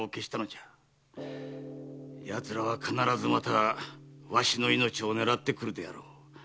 奴らは必ずまたわしの命を狙ってくるであろう。